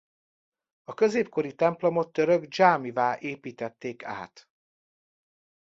A középkori templomot török dzsámivá építették át.